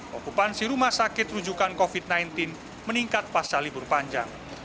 okupansi rumah sakit rujukan covid sembilan belas meningkat pasca libur panjang